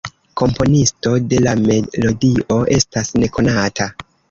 Komponisto de la melodio estas nekonata.